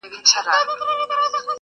ټولنه چوپتيا ته ترجېح ورکوي تل،